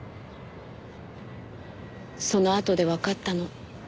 そのあとでわかったの。